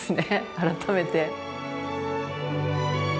改めて。